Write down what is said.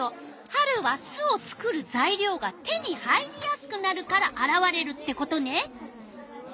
春は巣を作るざいりょうが手に入りやすくなるからあらわれるってことね。